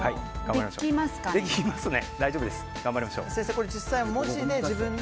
できますね。